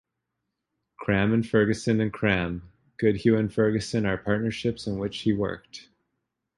Cram and Ferguson and Cram, Goodhue and Ferguson are partnerships in which he worked.